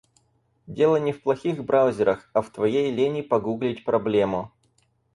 Дело не в плохих браузерах, а в твоей лени погуглить проблему.